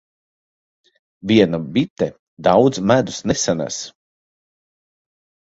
Viena bite daudz medus nesanes.